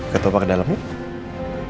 ketua pak ke dalam nih